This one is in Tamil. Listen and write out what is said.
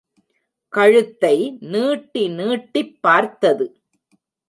கழுத்தை நீட்டி நீட்டிப் பார்த்தது.